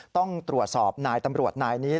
ต้องตรวจสอบนายตำรวจนายนี้